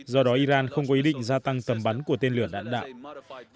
do đó iran không có ý định gia tăng tầm bắn của tên lửa đạn đạo